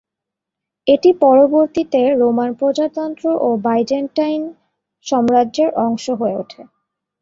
এটি পরবর্তীতে রোমান প্রজাতন্ত্র ও বাইজেন্টাইন সাম্রাজ্যের অংশ হয়ে ওঠে।